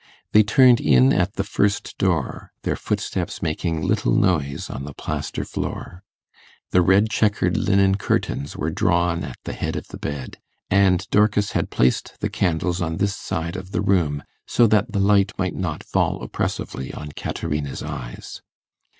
They turned in at the first door, their footsteps making little noise on the plaster floor. The red checkered linen curtains were drawn at the head of the bed, and Dorcas had placed the candles on this side of the room, so that the light might not fall oppressively on Caterina's eyes.